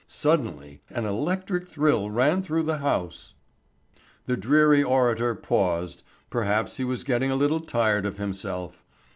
Suddenly an electric thrill ran through the House. The dreary orator paused perhaps he was getting a little tired of himself.